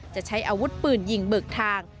จะใช้อาวุธปืนยิงเบิกทาง